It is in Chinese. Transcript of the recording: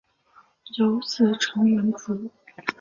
有子陈文烛。